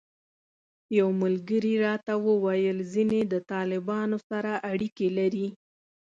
یو ملګري راته وویل ځینې د طالبانو سره اړیکې لري.